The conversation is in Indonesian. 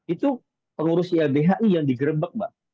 itu pengurus ylbhi yang digerebek mbak